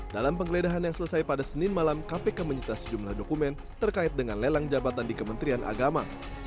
dalam penggeledahan yang selesai pada senin malam kpk menyita sejumlah dokumen terkait dengan lelang jabatan di kementerian agama